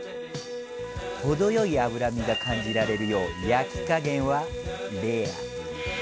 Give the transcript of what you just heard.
程良い脂身が感じられるよう焼き加減はレア。